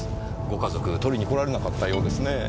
ご家族取りに来られなかったようですねぇ。